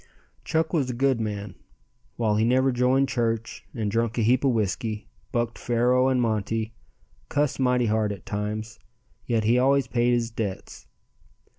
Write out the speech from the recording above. Chuck was a good man. While he never joined church and drunk a heap of whiskey, bucked faro and monte, cussed mighty hard at times, yet he always paid his debts.